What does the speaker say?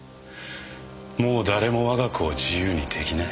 もう誰も我が子を自由にできない。